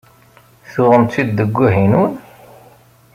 Tuɣem-tt-id deg Wahinun?